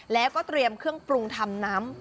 แล้วก็เตรียมเครื่องปรุงทำน้ำ